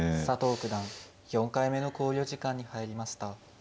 佐藤九段４回目の考慮時間に入りました。